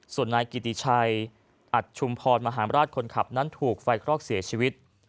ส่วนนายกิติชัยอัดชุมพรมหาราชคนขับนั้นถูกไฟคลอกเสียชีวิต